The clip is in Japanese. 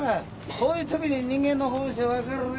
こういうときに人間の本性分かるね。